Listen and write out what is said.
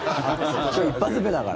今日１発目だから。